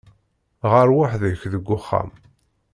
Ɣeṛ weḥd-k deg uxxam.